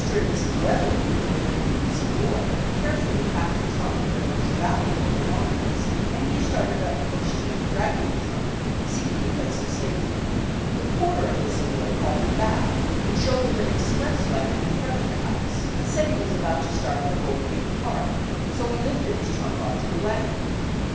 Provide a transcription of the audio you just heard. and Mrs. Weatherly, who were living in the Savoy, carefully packed a trunk of their most valuable belongings, and he started up Post Street dragging the trunk, seeking a place of safety. The porter of the Savoy called him back, and showed him an express wagon in front of the house, and said he was about to start for Golden Gate Park, so he lifted his trunk on to the wagon.